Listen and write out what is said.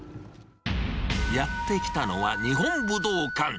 やって来たのは日本武道館。